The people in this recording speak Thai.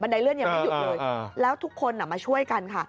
ใดเลื่อนยังไม่หยุดเลยแล้วทุกคนมาช่วยกันค่ะ